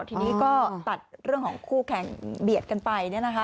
ทีนี้ก็ตัดเรื่องของคู่แข่งเบียดกันไป